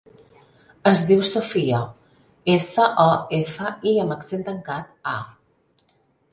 Es diu Sofía: essa, o, efa, i amb accent tancat, a.